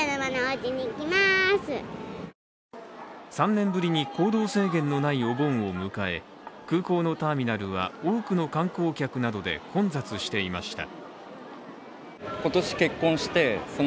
３年ぶりに行動制限のないお盆を迎え、空港のターミナルは多くの観光客などで混雑していました。